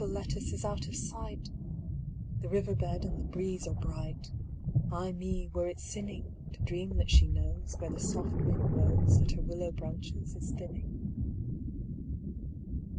Little Lettice is out of sight! The river bed and the breeze are bright:Ay me, were it sinningTo dream that she knowsWhere the soft wind roseThat her willow branches is thinning?